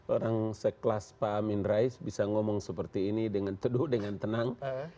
orang sekelas pak amin rais bisa ngomong seperti ini dengan teduh dengan tenang